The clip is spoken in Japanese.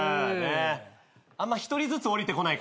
あんま１人ずつ下りてこないから。